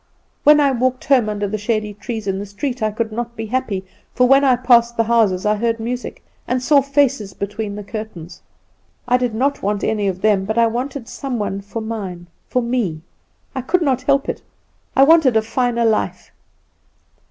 When I walked home under the shady trees in the street I could not be happy, for when I passed the houses I heard music, and saw faces between the curtains. I did not want any of them, but I wanted some one for mine, for me. I could not help it. I wanted a finer life.